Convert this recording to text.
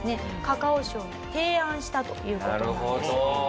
カカオ省に提案したという事なんです。